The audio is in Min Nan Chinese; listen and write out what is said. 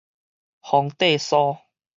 方塊酥